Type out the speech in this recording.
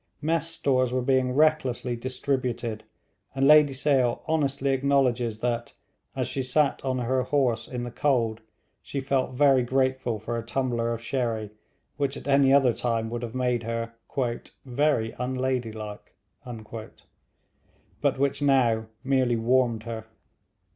Mess stores were being recklessly distributed, and Lady Sale honestly acknowledges that, as she sat on her horse in the cold, she felt very grateful for a tumbler of sherry, which at any other time would have made her 'very unladylike,' but which now merely warmed her.